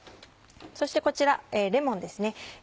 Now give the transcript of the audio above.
そしてこちらレモンですね。